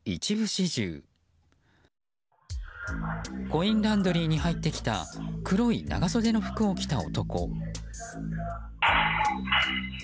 コインランドリーに入ってきた黒い長袖の服を着た男。